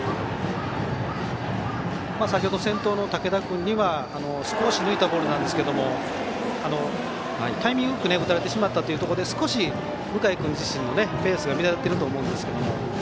先ほど先頭の武田君には少し抜いたボールなんですけどタイミングよく打たれてしまったというところで少し向井君自身のペースが乱れていると思いますが。